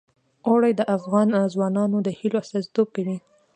اوړي د افغان ځوانانو د هیلو استازیتوب کوي.